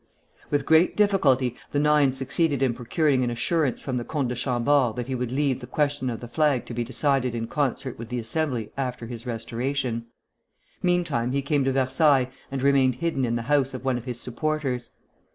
With great difficulty the nine succeeded in procuring an assurance from the Comte de Chambord that he would leave the question of the flag to be decided in concert with the Assembly after his restoration. Meantime he came to Versailles and remained hidden in the house of one of his supporters.